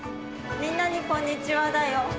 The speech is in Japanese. みんなに「こんにちは」だよ。